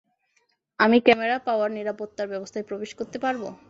আমি camera, power, নিরাপত্তা ব্যবস্থায় প্রবেশ করতে পারবো।